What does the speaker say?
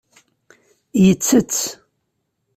Yettett.